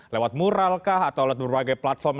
lewat muralkah atau lewat berbagai platform